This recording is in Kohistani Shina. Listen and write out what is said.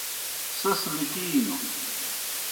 سیْس لِکِینوْ۔